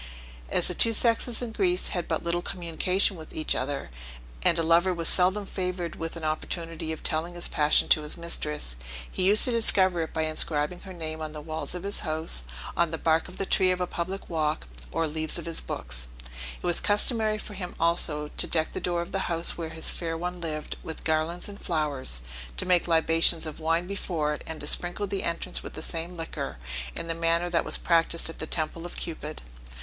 As the two sexes in Greece had but little communication with each other, and a lover was seldom favored with an opportunity of telling his passion to his mistress, he used to discover it by inscribing her name on the walls of his house, on the bark of the trees of a public walk, or leaves of his books; it was customary for him also to deck the door of the house where his fair one lived, with garlands and flowers, to make libations of wine before it, and to sprinkle the entrance with the same liquor, in the manner that was practised at the temple of Cupid.